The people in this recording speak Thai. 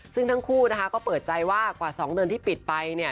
ซึ่งทั้งคู่นะคะก็เปิดใจว่ากว่า๒เดือนที่ปิดไปเนี่ย